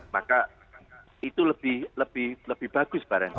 maka itu lebih lebih lebih bagus barangkali